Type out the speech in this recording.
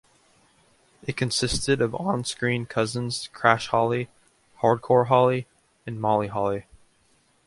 It consisted of on-screen cousins Crash Holly, Hardcore Holly and Molly Holly.